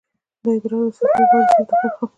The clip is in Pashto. د ادرار د څڅیدو لپاره د څه شي تخم وخورم؟